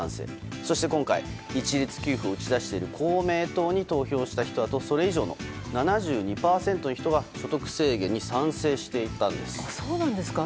そして今回、一律給付を打ち出している公明党に投票した人だと７２％が所得制限に賛成していたんです。